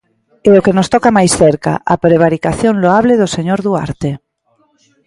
E o que nos toca máis cerca, a prevaricación loable do señor Duarte.